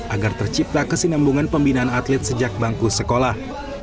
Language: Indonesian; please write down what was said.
agar tercipta kesinambungan pembinaan atlet sejak bangku sekolah